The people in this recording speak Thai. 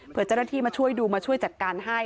เพื่อเจ้าหน้าที่มาช่วยดูมาช่วยจัดการให้